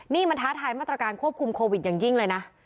นี่มันท้าทายมาตรการควบคุมโควิดอย่างยิ่งเลยนะ